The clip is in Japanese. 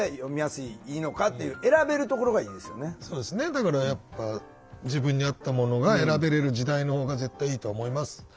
だからやっぱ自分に合ったものが選べれる時代のほうが絶対いいと思います。